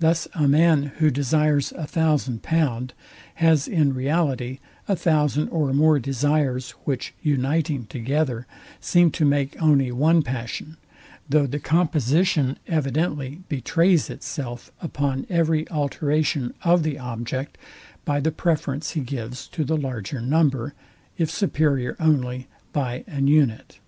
Thus a man, who desires a thousand pound, has in reality a thousand or more desires which uniting together, seem to make only one passion; though the composition evidently betrays itself upon every alteration of the object, by the preference he gives to the larger number, if superior only by an unite.